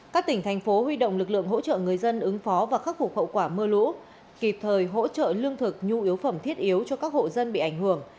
các tỉnh thành phố huy động lực lượng hỗ trợ người dân ứng phó và khắc phục hậu quả mưa lũ kịp thời hỗ trợ lương thực nhu yếu phẩm thiết yếu cho các hộ dân bị ảnh hưởng